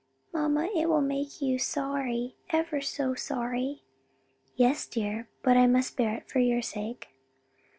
"Mamma, it will make you sorry, ever so sorry." "Yes, dear, but I must bear it for your sake."